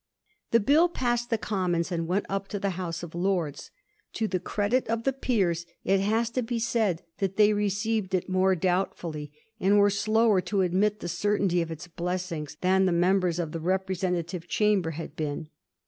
The Bill passed the Commons, and went up to the House of Lords. To the credit of the Peers, it has to be said that they received it more doubtftdly, and were slower to admit the certainty of its blessings, than the members of the representative chamber had been.